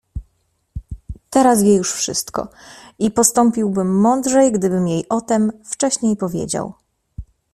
"Teraz wie już wszystko i postąpiłbym mądrzej, gdybym jej o tem wcześniej powiedział."